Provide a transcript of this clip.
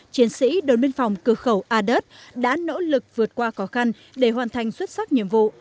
chiến sĩ đồn biên phòng cửa khẩu a đớt đã nỗ lực vượt qua khó khăn để hoàn thành xuất sắc nhiệm vụ